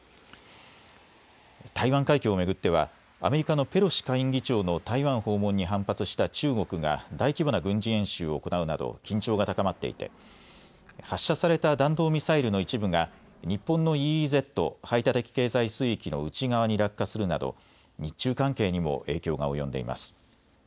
台湾海峡を巡ってはアメリカのペロシ下院議長の台湾訪問に反発した中国が大規模な軍事演習を行うなど緊張が高まっていて発射された弾道ミサイルの一部が日本のＥＥＺ・排他的経済水域の内側に落下するなど日中関係にも影響が及んでいます。